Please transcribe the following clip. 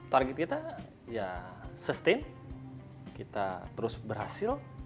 target kita ya sustain kita terus berhasil